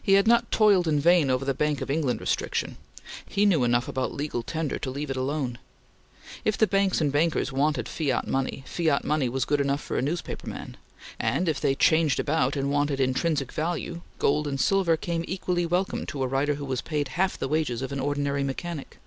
He had not toiled in vain over the Bank of England Restriction. He knew enough about Legal Tender to leave it alone. If the banks and bankers wanted fiat money, fiat money was good enough for a newspaper man; and if they changed about and wanted "intrinsic" value, gold and silver came equally welcome to a writer who was paid half the wages of an ordinary mechanic.